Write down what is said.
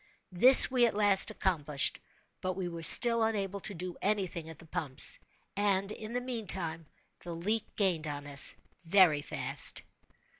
This we at last accomplished—but we were still unable to do any thing at the pumps; and, in the meantime, the leak gained on us very fast.